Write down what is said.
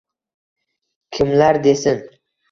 Kimlar desin